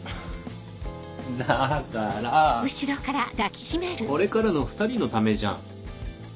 だからこれからの２人のためじゃん。